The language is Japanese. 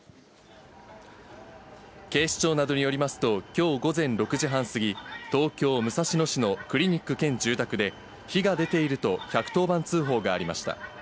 警視庁などによりますと、きょう午前６時半過ぎ、東京・武蔵野市のクリニック兼住宅で、火が出ていると１１０番通報がありました。